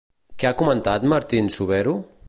Què ha comentat Martín-Subero?